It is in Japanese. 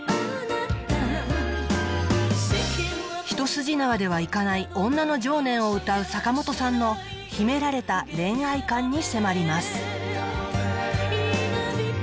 一筋縄ではいかない女の情念を歌う坂本さんの秘められた恋愛観に迫ります